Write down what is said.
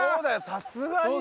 さすがにさ。